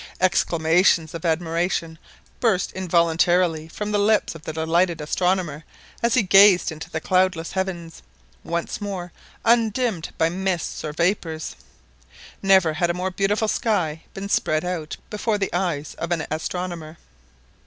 Exclamations of admiration burst involuntarily from the lips of the delighted astronomer as he gazed into the cloudless heavens, once more undimmed by mists or vapours. Never had a more beautiful sky been spread out before the eyes of an astronomer.